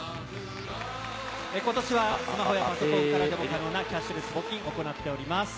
ことしはスマホやパソコンからでも可能なキャッシュレス募金を行っています。